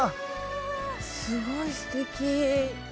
すごいすてき！